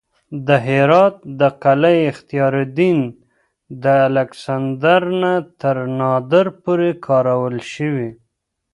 د هرات د قلعه اختیارالدین د الکسندر نه تر نادر پورې کارول شوې